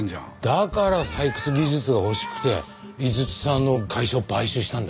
だから採掘技術が欲しくて井筒さんの会社を買収したんだ。